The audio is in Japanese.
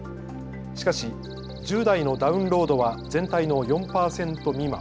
しかし１０代のダウンロードは全体の４％未満。